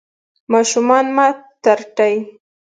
ماشومان مه ترټئ.